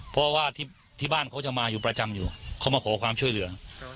เพราะว่าที่บ้านเขาจะมาอยู่ประจำอยู่เขามาขอความช่วยเหลือ